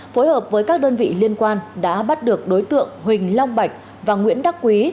phối hợp với các đơn vị liên quan đã bắt được đối tượng huỳnh long bạch và nguyễn đắc quý